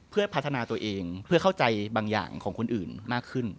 เพื่อพัฒนาตัวเองเพื่อเข้าใจบางอย่างของคนอื่นมากขึ้น